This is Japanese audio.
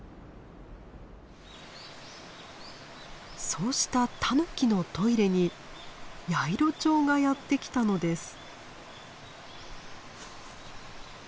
そうしたタヌキのトイレにヤイロチョウがやって来たのです。